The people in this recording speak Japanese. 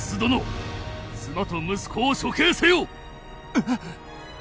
えっ。